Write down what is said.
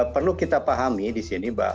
perlu kita pahami di sini mbak